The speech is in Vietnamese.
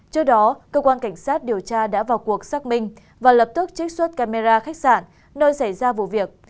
trước đó cơ quan cảnh sát điều tra đã vào cuộc xác minh và lập tức trích xuất camera khách sạn nơi xảy ra vụ việc